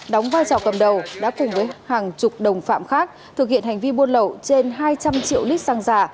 đóng vai trò cầm đầu đã cùng với hàng chục đồng phạm khác thực hiện hành vi buôn lậu trên hai trăm linh triệu lít xăng giả